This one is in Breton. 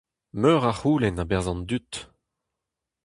Meur a c'houlenn a-berzh an dud.